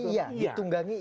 jadi ditunggangi iya